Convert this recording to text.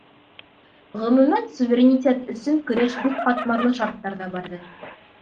Ғөмүмән, суверенитет өсөн көрәш бик ҡатмарлы шарттарҙа барҙы.